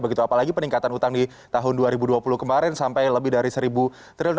begitu apalagi peningkatan utang di tahun dua ribu dua puluh kemarin sampai lebih dari seribu triliun